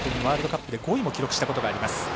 ワールドカップで５位も記録したことがあります。